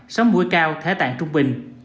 sóng mũi cao thế tạng trung bình